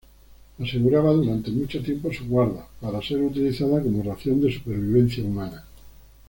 Aseguraba durante mucho tiempo su guarda, para ser utilizada como ración de supervivencia humana.